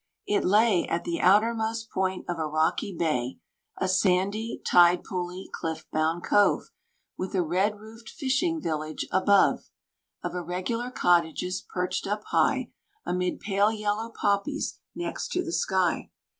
It lay At the outermost point of a rocky bay. A sandy, tide pooly, cliff bound cove, With a red roofed fishing village above, Of irregular cottages, perched up high Amid pale yellow poppies next to the sky.